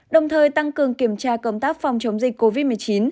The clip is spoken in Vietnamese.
đồng thời tăng cường kiểm tra công tác phòng chống dịch covid một mươi chín